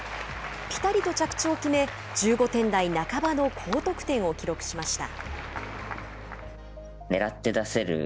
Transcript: ぴたりと着地を決め１５点台半ばの高得点を記録しました。